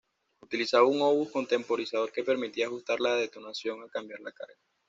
Utilizaba un obús con temporizador que permitía ajustar la detonación al cambiar la carga.